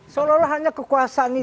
seolah olah hanya kekuasaan ini